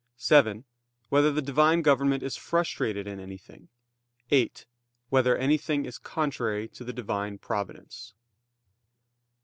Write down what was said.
(7) Whether the Divine government is frustrated in anything? (8) Whether anything is contrary to the Divine Providence?